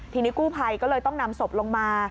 ทีนี้กู้ภัยก็เลยต้องนำศพลงมา